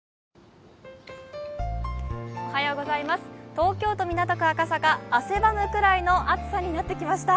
東京都港区赤坂、汗ばむくらいの暑さになってきました。